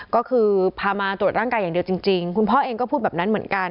ก็คือพามาตรวจร่างกายอย่างเดียวจริงคุณพ่อเองก็พูดแบบนั้นเหมือนกัน